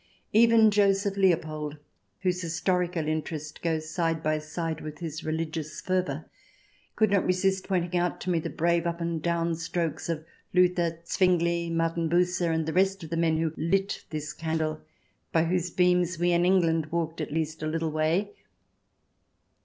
Even Joseph Leopold, whose historical interest goes side by side with his religious fervour, could not resist pointing out to me the brave up and down strokes of Luther, Zwingli, Martin Bucer, and the rest of the men who lit this candle by whose beams we in England walked at least a little way.